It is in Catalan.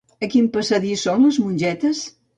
A quin passadís són les mongetes?